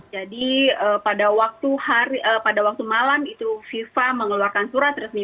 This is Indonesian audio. jadi pada waktu malam itu fifa mengeluarkan surat resmi